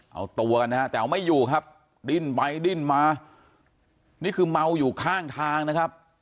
เอาตัวกันนะฮะแต่เอาไม่อยู่ครับดิ้นไปดิ้นมานี่คือเมาอยู่ข้างทางนะครับ